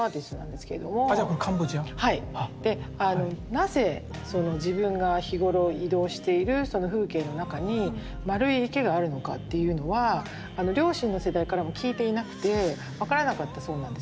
なぜその自分が日頃移動している風景の中にまるい池があるのかっていうのは両親の世代からも聞いていなくて分からなかったそうなんですよ。